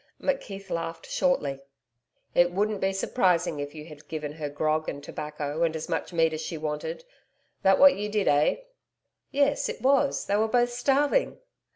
McKeith laughed shortly. 'It wouldn't be surprising, if you had given her grog and tobacco and as much meat as she wanted. That what you did, eh?' 'Yes, it was. They were both starving.'